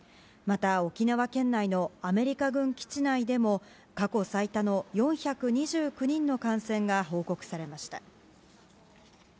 また、沖縄県内のアメリカ軍基地内でも過去最多の４２９人の感染が報告されました。